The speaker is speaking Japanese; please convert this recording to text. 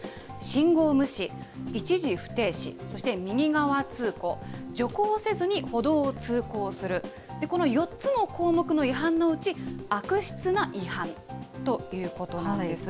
信号無視、一時不停止、そして右側通行、徐行せずに歩道を通行する、この４つの項目の違反のうち、悪質な違反ということなんです。